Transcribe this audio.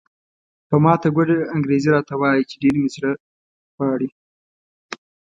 په ماته ګوډه انګریزي راته وایي چې ډېر مې زړه غواړي.